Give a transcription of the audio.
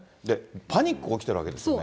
パニック起きているわけですからね。